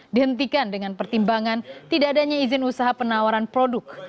dihentikan dengan pertimbangan tidak adanya izin usaha penawaran produk